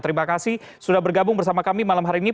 terima kasih sudah bergabung bersama kami malam hari ini